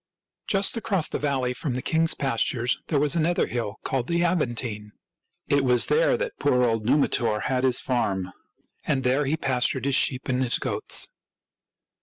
Just across the valley from the king's pastures there was another hill called the Aventine. It was there that poor old Numitor had his farm, and there he pastured his sheep and his goats.